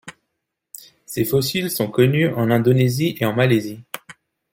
Ses fossiles sont connus en Indonésie et en Malaisie.